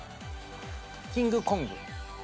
『キング・コング』。